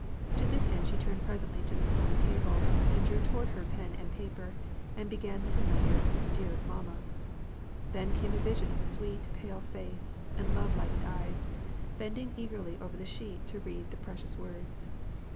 To this end, she turned presently to the study table, and drew toward her pen and paper, and began the familiar "Dear mamma." Then came a vision of the sweet, pale face and love lighted eyes, bending eagerly over the sheet to read the pre cious words.